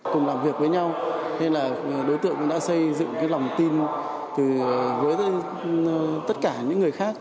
cùng làm việc với nhau nên là đối tượng cũng đã xây dựng cái lòng tin với tất cả những người khác